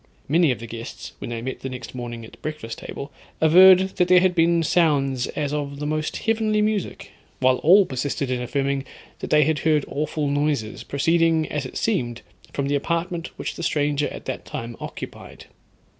Many of the guests, when they met the next morning at the breakfast table, averred that there had been sounds as of the most heavenly music, while all persisted in affirming that they had heard awful noises, proceeding, as it seemed, from the apartment which the stranger at that time occupied.